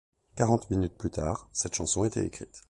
Quarante minutes plus tard, cette chanson était écrite.